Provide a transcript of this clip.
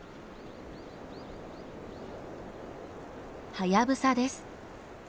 ハヤブサです。